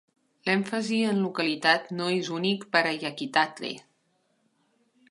L'èmfasi en localitat no és únic per a Yakitate!!